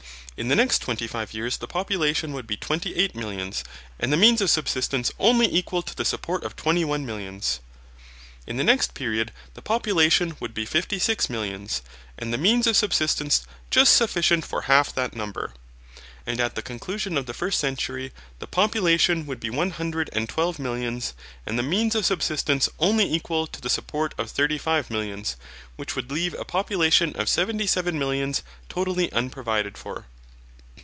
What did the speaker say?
In the next twenty five years the population would be twenty eight millions, and the means of subsistence only equal to the support of twenty one millions. In the next period, the population would be fifty six millions, and the means of subsistence just sufficient for half that number. And at the conclusion of the first century the population would be one hundred and twelve millions and the means of subsistence only equal to the support of thirty five millions, which would leave a population of seventy seven millions totally unprovided for.